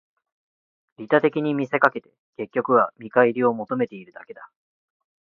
利他的に見せかけて、結局は見返りを求めているだけだ